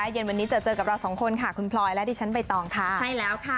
เย็นวันนี้เจอเจอกับเราสองคนค่ะคุณพลอยและดิฉันใบตองค่ะใช่แล้วค่ะ